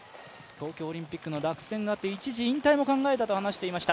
東京オリンピックの落選があって一時引退も考えたと話していました。